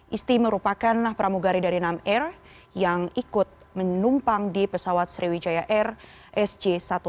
isti merupakan pramugari dari enam r yang ikut menumpang di pesawat sriwijaya air sj satu ratus sepuluh